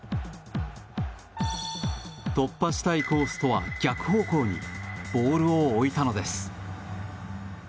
突破したいコースとは逆方向にボールを置いたのです。